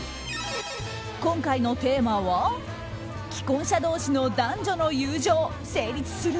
今回のテーマは既婚者同士の男女の友情成立する？